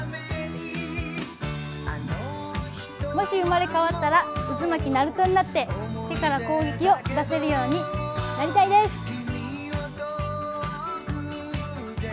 もし生まれ変わったらうずまきナルトになって手から攻撃を出せるようになりたいです。